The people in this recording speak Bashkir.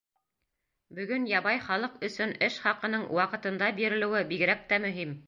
Бөгөн ябай халыҡ өсөн эш хаҡының ваҡытында бирелеүе бигерәк тә мөһим.